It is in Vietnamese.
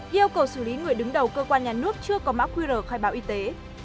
yêu cầu xử lý người đứng đầu cơ quan nhà nước chưa có mã qr khai báo y tế